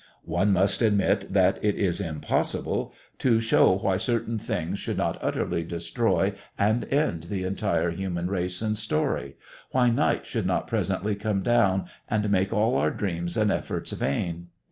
One must admit that it is impossible to show why certain things should not utterly destroy and end the entire human race and story, why night should not presently come down and make all our dreams and efforts vain.